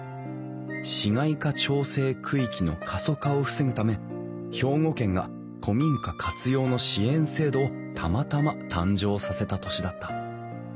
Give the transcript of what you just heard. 市街化調整区域の過疎化を防ぐため兵庫県が古民家活用の支援制度をたまたま誕生させた年だった。